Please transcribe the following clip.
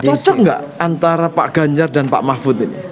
cocok nggak antara pak ganjar dan pak mahfud ini